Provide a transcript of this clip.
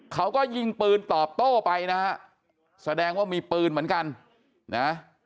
เขาก็ยิงปืนตอบโต้ไปนะฮะแสดงว่ามีปืนเหมือนกันนะ